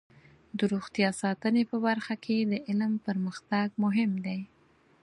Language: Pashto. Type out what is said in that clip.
د روغتیا ساتنې په برخه کې د علم پرمختګ مهم دی.